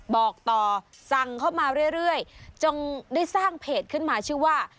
บอกต่อสั่งเข้ามาเรื่อยจงได้สร้างเพจขึ้นมาชื่อว่า